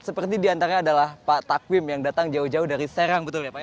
seperti diantara adalah pak takwim yang datang jauh jauh dari serang betul ya pak